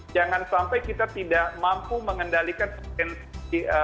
jangan sampai kita tidak mampu mengendalikan potensi